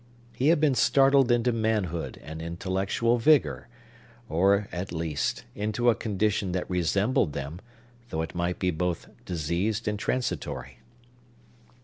He had been startled into manhood and intellectual vigor; or, at least, into a condition that resembled them, though it might be both diseased and transitory.